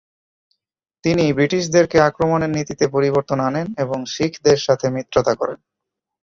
তিনি ব্রিটিশদেরকে আক্রমণের নীতিতে পরিবর্তন আনেন এবং শিখদের সাথে মিত্রতা করেন।